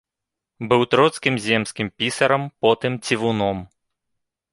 Быў троцкім земскім пісарам, потым цівуном.